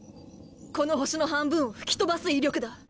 この星の半分を吹き飛ばす威力だ。